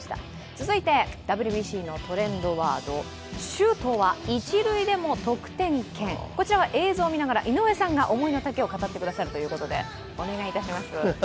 続いて、ＷＢＣのトレンドワード「周東は１塁でも得点圏」、こちらは映像を見ながら井上さんが思いの丈を語ってくださるということでお願いします。